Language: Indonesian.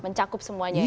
mencakup semuanya ya